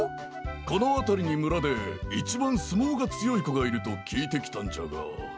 このあたりにむらでいちばんすもうがつよいこがいるときいてきたんじゃが。